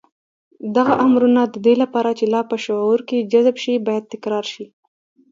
دغه امرونه د دې لپاره چې په لاشعور کې جذب شي بايد تکرار شي.